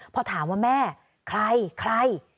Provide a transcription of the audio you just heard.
พอถามว่าแม่ใครใคร